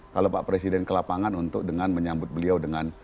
kalau pak presiden ke lapangan untuk dengan menyambut beliau dengan